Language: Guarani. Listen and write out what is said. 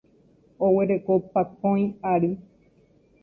Oguereko pakõi ary.